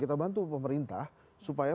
kita bantu pemerintah supaya